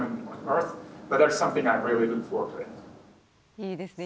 いいですね